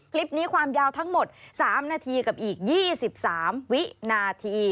คลิปนี้ความยาวทั้งหมด๓นาทีกับอีก๒๓วินาที